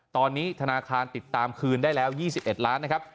ตอนนี้ธนาคารติดตามคืนได้แล้วยี่สิบเอ็ดล้านนะครับ